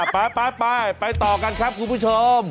ไปไปต่อกันครับคุณผู้ชม